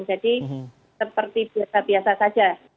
jadi seperti biasa biasa saja ya